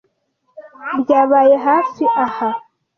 Byabaye hafi aha.